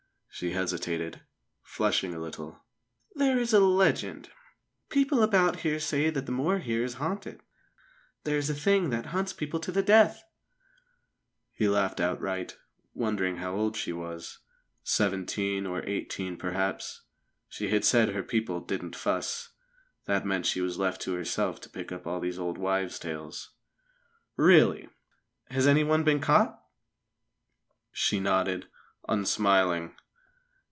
She hesitated, flushing a little. "There is a legend people about here say that the moor here is haunted. There is a Thing that hunts people to death!" He laughed outright, wondering how old she was. Seventeen or eighteen, perhaps. She had said her people "didn't fuss." That meant she was left to herself to pick up all these old wives' tales. "Really! Has anyone been caught?" She nodded, unsmiling.